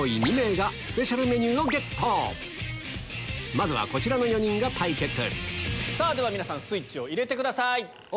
まずはこちらの４人が対決では皆さんスイッチを入れてください。